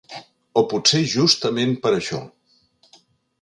O potser justament per això.